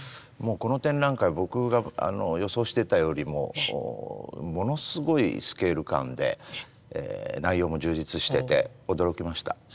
この展覧会僕が予想していたよりもものすごいスケール感で内容も充実してて驚きました。